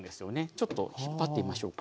ちょっと引っ張ってみましょうか。